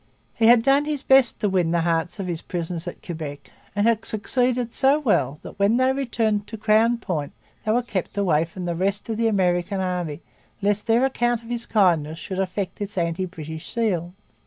He had done his best to win the hearts of his prisoners at Quebec and had succeeded so well that when they returned to Crown Point they were kept away from the rest of the American army lest their account of his kindness should affect its anti British zeal.